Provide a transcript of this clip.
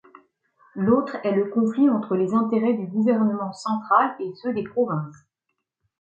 L'autre est le conflit entre les intérêts du gouvernement central et ceux des provinces.